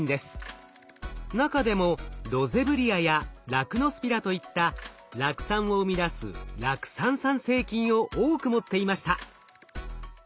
中でもロゼブリアやラクノスピラといった酪酸を生み出す酪酸産生菌を多く持っていました。